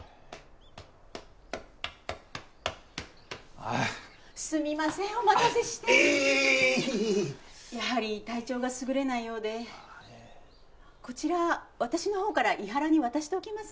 ああっすみませんお待たせしてあっいえいえいえいえやはり体調が優れないようでこちら私の方から伊原に渡しておきます